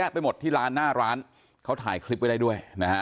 ไปหมดที่ร้านหน้าร้านเขาถ่ายคลิปไว้ได้ด้วยนะฮะ